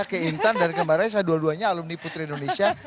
ke intan dan ke mbak raisa dua duanya alumni putri indonesia